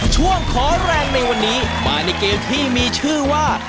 ช่วงขอแรงในวันนี้มาในเกมที่มีชื่อว่า